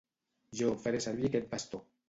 Jo faré servir aquest bastó.